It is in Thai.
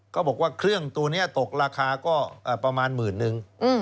บอกว่าเครื่องตัวนี้ตกราคาก็ประมาณหมื่นนึง